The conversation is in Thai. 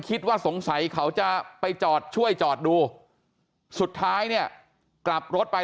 คิดว่าสงสัยเขาจะไปจอดช่วยจอดดูสุดท้ายเนี่ยกลับรถไป